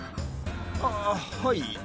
あっはい。